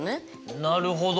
なるほど。